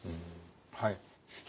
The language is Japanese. はい。